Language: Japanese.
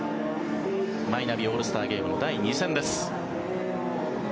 マイナビオールスターゲームの第２戦です。